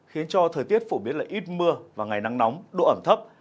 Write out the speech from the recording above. khiến cho thời tiết phổ biến là ít mưa và ngày nắng nóng độ ẩm thấp